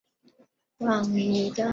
顿河红豆草为豆科驴食草属的植物。